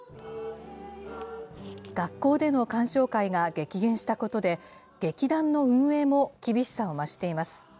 学校での鑑賞会が激減したことで劇団の運営も厳しさを増しています。